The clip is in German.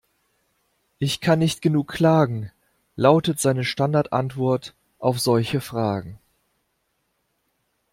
"Ich kann nicht genug klagen", lautet seine Standardantwort auf solche Fragen.